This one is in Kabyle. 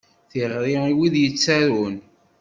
Tiɣri i wid yettarun.